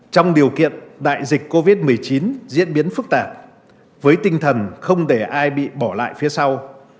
trong điều kiện đại dịch covid một mươi chín diễn biến phức tạp với tinh thần không để ai bị bỏ lại phía sau